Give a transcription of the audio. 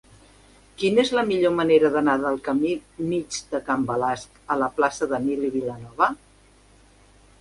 Quina és la millor manera d'anar del camí Mig de Can Balasc a la plaça d'Emili Vilanova?